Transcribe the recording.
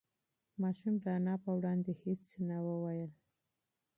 ماشوم د انا په وړاندې هېڅ نه ویل.